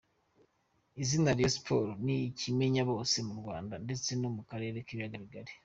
Izina Rayon Sports ni ikimenyabose mu Rwanda ndetse no mu karere k’ibiyaga bigari.